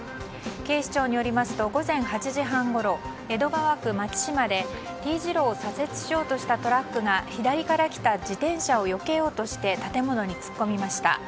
警視庁によりますと午前８時半ごろ江戸川区松島でＴ字路を左折しようとしたトラックが左から来た自転車をよけようとして建物に突っ込みました。